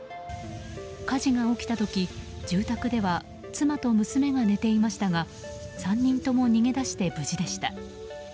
火事が起きた時、住宅では妻と娘が寝ていましたが３人とも逃げ出して無事でした。